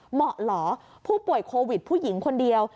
เหมาะเหรอผู้ป่วยโควิดผู้หญิงคนเดียว